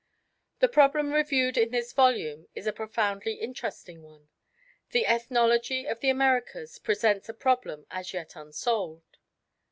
The problem reviewed in this volume is a profoundly interesting one. The ethnology of the Americas presents a problem as yet unsolved.